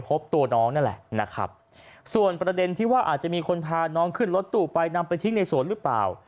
พบตัวน้องนั่นแหละนะครับส่วนประเด็นที่ว่าอาจจะมีคนพาน้องขึ้นรถตู้ไปนำไปทิ้งในสวนหรือเปล่า